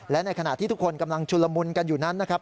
และในขณะที่ทุกคนกำลังชุลมุนกันอยู่นั้นนะครับ